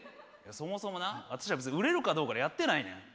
そもそもな私ら別に売れるかどうかでやってないねん。